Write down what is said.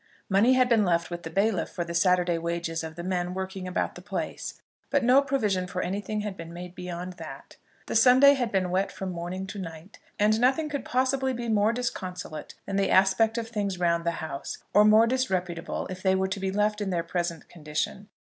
Money had been left with the bailiff for the Saturday wages of the men working about the place, but no provision for anything had been made beyond that. The Sunday had been wet from morning to night, and nothing could possibly be more disconsolate than the aspect of things round the house, or more disreputable if they were to be left in their present condition.